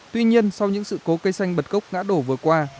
tuy nhiên sau những sự cố cây xanh bật cốc ngã đổ vừa qua